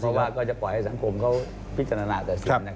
เพราะว่าก็จะปล่อยให้สังคมเขาพิจารณาแต่ส่วน